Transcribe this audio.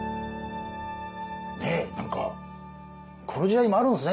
ねえ何かこの時代もあるんですね。